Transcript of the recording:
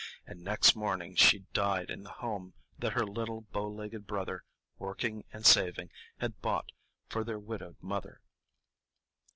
And next morning she died in the home that her little bow legged brother, working and saving, had bought for their widowed mother.